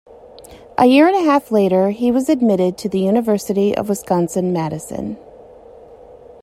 A year and a half later he was admitted to the University of Wisconsin-Madison.